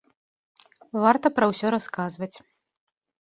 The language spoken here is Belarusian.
Варта пра ўсё расказваць.